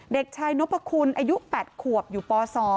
เด็กชายนพคุณอายุ๘ขวบอยู่ป๒